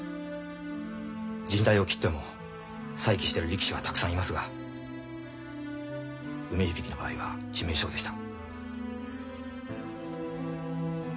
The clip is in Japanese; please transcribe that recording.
じん帯を切っても再起している力士はたくさんいますが梅響の場合は致命傷でした。